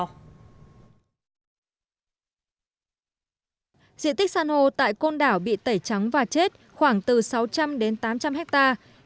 diện tích san hô tại côn đảo bị tẩy trắng và chết khoảng từ sáu trăm linh đến tám trăm linh hectare